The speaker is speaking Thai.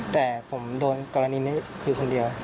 แต่ผมโดนกรณีนี้คือคนเดียว